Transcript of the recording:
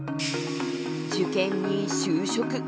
受験に就職。